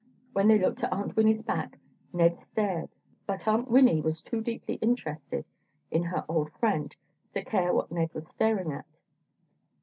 When they looked at Aunt Winnie's back, Ned stared, but Aunt Winnie was too deeply interested in her old friend to care what Ned was staring at.